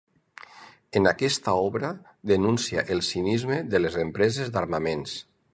En aquesta obra denuncia el cinisme de les empreses d'armaments.